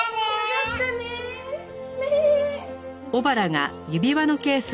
ねえ！